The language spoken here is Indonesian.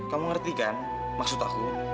kamu ngerti kan maksud aku